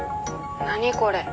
何これ？